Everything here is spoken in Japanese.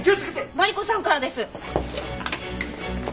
マリコさんからです。